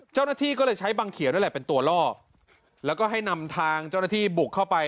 เจ้าหน้าที่ก็เลยใช้บังเขียวนั่นแหละเป็นตัวล่อแล้วก็ให้นำทางเจ้าหน้าที่บุกเข้าไป